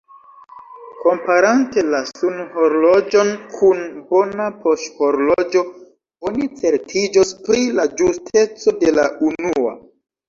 Komparante la sunhorloĝon kun bona poŝhorloĝo, oni certiĝos pri la ĝusteco de la unua.